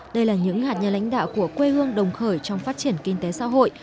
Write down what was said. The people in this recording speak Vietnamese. đây là những hạt nhà lãnh đạo của quê hương đồng khởi trong phát triển kinh tế xã hội